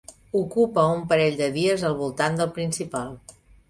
Ocupa un parell de dies al voltant del principal.